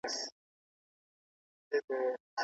نورې مې ټولې هيلې مړې دي